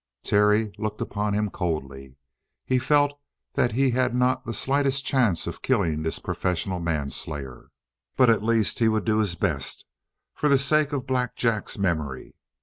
Terry looked upon him coldly. He felt that he had not the slightest chance of killing this professional manslayer, but at least he would do his best for the sake of Black Jack's memory.